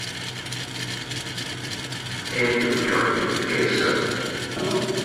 And you join him against her.